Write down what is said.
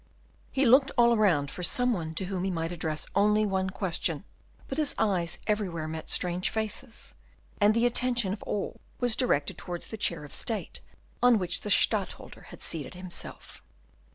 He looked all around for some one to whom he might address only one question, but his eyes everywhere met strange faces, and the attention of all was directed towards the chair of state, on which the Stadtholder had seated himself.